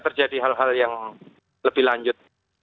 terjadi hal hal yang lebih lanjut